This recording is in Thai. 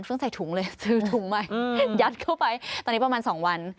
ใส่ถุงเลยซื้อถุงใหม่ยัดเข้าไปตอนนี้ประมาณ๒วัน